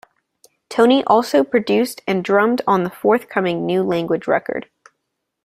Tony also produced and drummed on the forthcoming New Language record.